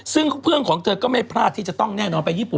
ซึ่งเพื่อนของเธอก็ไม่พลาดที่จะต้องแน่นอนไปญี่ป